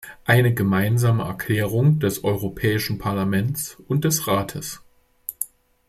Eine gemeinsame Erklärung des Europäischen Parlaments und des Rates.